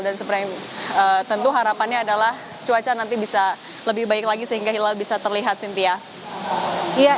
dan tentu harapannya adalah cuaca nanti bisa lebih baik lagi sehingga hilal bisa terlihat sinti ya